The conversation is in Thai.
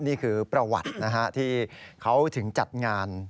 นี่คือประวัตินะฮะที่เขาถึงจัดงาน